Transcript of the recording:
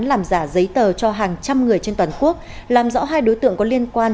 làm giả giấy tờ cho hàng trăm người trên toàn quốc làm rõ hai đối tượng có liên quan